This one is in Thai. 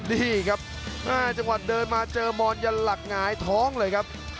นี่ครับจังหวะเดินมาเจอมอนยันหลักหงายท้องเลยครับ